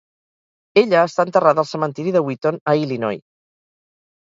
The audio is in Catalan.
Ella està enterrada al cementiri de Wheaton, a Illinois.